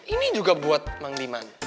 ini juga buat bang diman